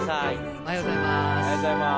おはようございます。